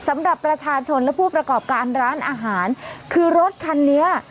สำหรับประชาชนและผู้ประกอบการร้านอาหารคือรถคันนี้